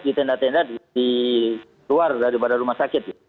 di tenda tenda di luar daripada rumah sakit